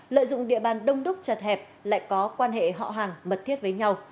lợi dụng địa bàn đông đúc chặt hẹp lại có quan hệ họ hàng mật thiết với nhau